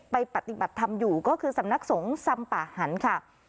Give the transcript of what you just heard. ปฏิบัติธรรมอยู่ก็คือสำนักสงฆ์สำป่าหันค่ะ